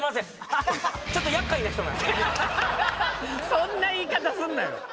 そんな言い方すんなよ！